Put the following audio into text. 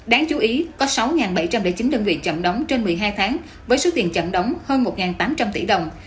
đáng chú ý có sáu bảy trăm linh chín đơn vị chậm đóng trên một mươi hai tháng với số tiền chậm đóng hơn một tám trăm linh tỷ đồng